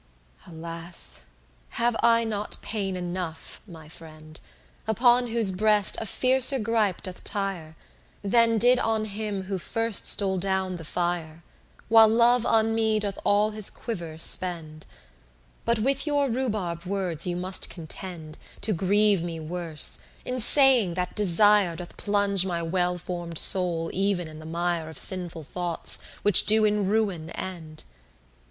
14 Alas, have I not pain enough, my friend, Upon whose breast a fiercer gripe doth tire, Than did on him who first stole down the fire, While Love on me doth all his quiver spend, But with your rhubarb words you must contend, To grieve me worse, in saying that desire Doth plunge my well form'd soul even in the mire Of sinful thoughts, which do in ruin end?